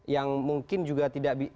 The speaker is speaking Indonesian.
yang mungkin juga tidak